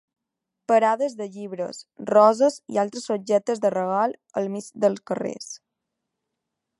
Parades de llibres, roses i altres objectes de regal al mig dels carrers.